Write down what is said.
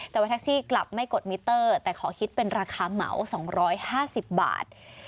แต่ว่าแท็กซี่กลับไม่กดมิเตอร์แต่ขอคิดเป็นราคาเหมา๒๕๐บาท